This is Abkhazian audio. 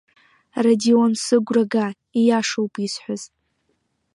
Радион, сыгәра га, ииашоуп исҳәаз!